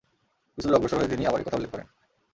কিছুদূর অগ্রসর হয়ে তিনি আবার এ কথা উল্লেখ করেন।